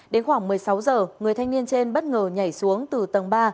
đến khoảng một mươi sáu h người thanh niên trên bất ngờ nhảy xuống từ tầng ba